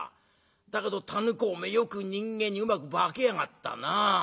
だけどタヌ公おめえよく人間にうまく化けやがったな。